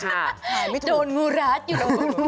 หายไม่ถูกโดนงูรัดอยู่